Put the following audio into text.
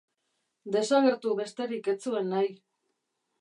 Desagertu besterik ez zuen nahi.